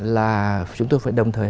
là chúng tôi đồng thời